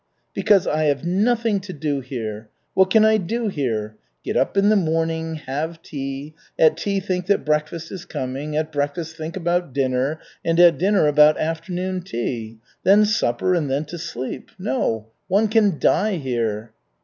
"Because I have nothing to do here. What can I do here? Get up in the morning, have tea, at tea think that breakfast is coming, at breakfast think about dinner, and at dinner about afternoon tea. Then supper and then to sleep. No, one can die here."